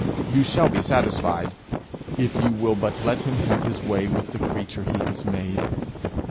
You shall be satisfied, if you will but let him have his way with the creature he has made.